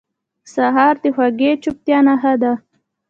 سهار د خوږې چوپتیا نښه ده.